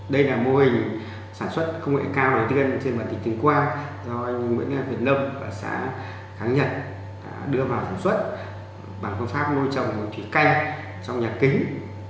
đây là mô hình sản xuất công nghệ cao đầu tiên trên mạng thị trường qua do anh nguyễn việt lâm và xã kháng nhật đưa vào sản xuất bằng công pháp nuôi trồng thủy canh trong nhà kín